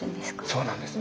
そうなんです。